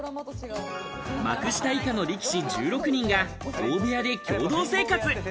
幕下以下の力士１６人が大部屋で共同生活。